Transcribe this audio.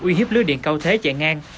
uy hiếp lưới điện cao thế chạy ngang